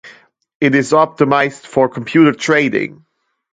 It is optimized for computer trading.